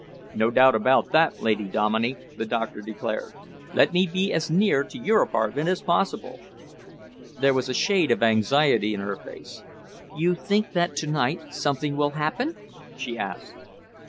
"No doubt about that, Lady Dominey," the doctor declared. "Let me be as near to your apartment as possible." There was a shade of anxiety in her face. "You think that to night something will happen?" she asked.